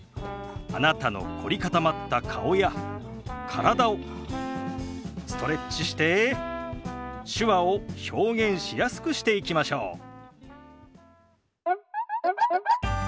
あなたの凝り固まった顔や体をストレッチして手話を表現しやすくしていきましょう。